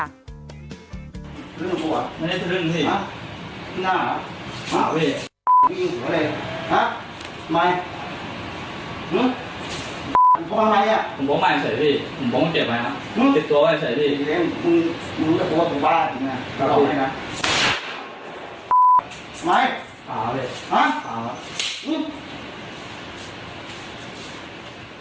ตรงพวกเราบ้านนี่นะงั้นเราเอาให้น่ะ